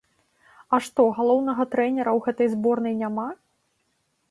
А што галоўнага трэнера ў гэтай зборнай няма?